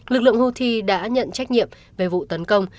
lực lượng houthi đã nhận trách nhiệm về vụ tấn công